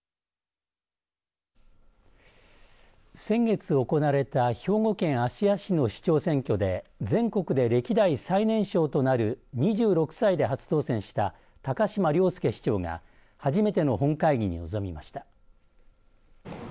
先月、行われた兵庫県芦屋市の市長選挙で全国で歴代最年少となる２６歳で初当選した高島崚輔市長が初めての本会議に臨みました。